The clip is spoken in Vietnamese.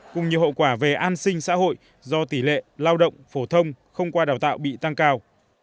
cùng nhiều hậu quả về an sinh xã hội do tỷ lệ lao động phổ thông không qua đào tạo bị tăng cao